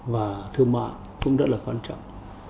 và thương mại cũng rất là quan trọng